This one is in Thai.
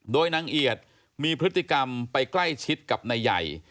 โดยนางเอียดมีพฤติกรรมไปใกล้ชิดกับนายใหญ่